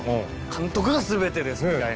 「監督が全てです」みたいな。